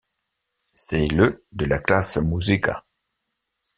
C'est le de la classe Musica.